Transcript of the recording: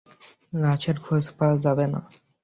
লাশেরও খোঁজ পাওয়া যাবে না।